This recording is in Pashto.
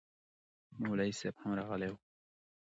مولوي صاحب هم راغلی و